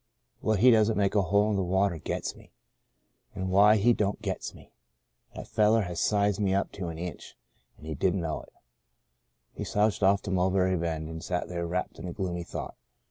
'Why he doesn't make a hole in the water gets me '— and why I don't gets me. That fellow has sized me up to an inch — and didn't know it." He slouched off to Mulberry Bend, and sat there wrapped in gloomy thought.